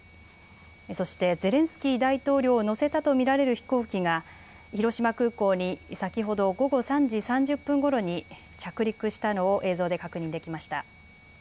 そしてゼレンスキー大統領を乗せたと見られる飛行機が広島空港に先ほど午後３時３０分ごろに着陸したのを映像で確認できました。